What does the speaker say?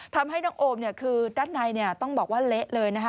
ทำให้น้องโอมคือด้านในต้องบอกว่าเละเลยนะคะ